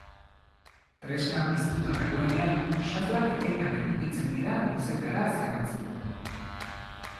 Tresna piztuta dagoenean, xaflak etengabe mugitzen dira luzetara zerratzeko.